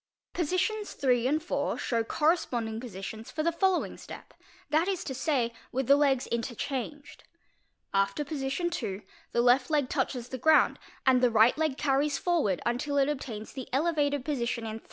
Positions III. and IV. show corresponding positions for the following step, that is to say, with the legs ene After position II. the left leg touches the ground and the ight leg carries forward until it obtains the elevated position in III.